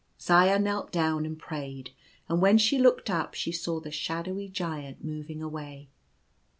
Zaya knelt down and prayed ; and when she looked up she saw the shadowy Giant moving away.